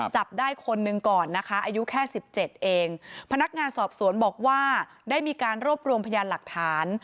จับได้คนหนึ่งก่อนนะคะอายุแค่สิบเจ็ดเองพนักงานสอบสวนบอกว่าได้มีการรวบรวมพยานหลักฐาน